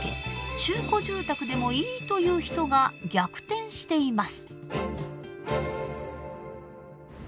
中古住宅でもいいという人が逆転しています。